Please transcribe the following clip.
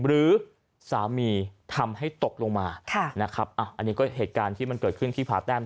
หรือสามีทำให้ตกลงมานะครับอันนี้ก็เหตุการณ์ที่มันเกิดขึ้นที่ผาแต้ม